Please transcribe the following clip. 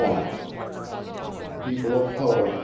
| People of Colour.